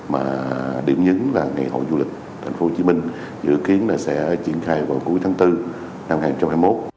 mà điểm nhấn là ngày hội du lịch thành phố hồ chí minh dự kiến là sẽ triển khai vào cuối tháng bốn năm hai nghìn hai mươi một